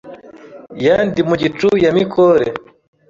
Ya Ndimugicu ya Mikore